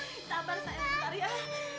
menjadi naik ongkal di kami